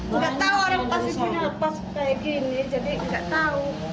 tidak tahu orang pasti kenapa seperti ini jadi tidak tahu